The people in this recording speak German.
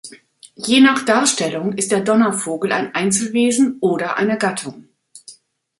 Je nach Darstellung ist der Donnervogel ein Einzelwesen oder eine Gattung.